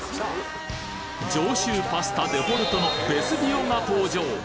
上州パスタデフォルトのベスビオが登場！